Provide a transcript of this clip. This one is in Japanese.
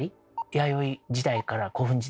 弥生時代から古墳時代。